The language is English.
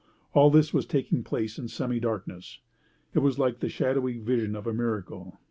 All this was taking place in semi darkness. It was like the shadowy vision of a miracle.